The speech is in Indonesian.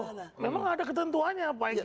memang ada ketentuannya pak eki